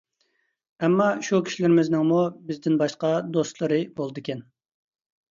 ئەمما شۇ كىشىلىرىمىزنىڭمۇ بىزدىن باشقا دوستلىرى بولىدىكەن.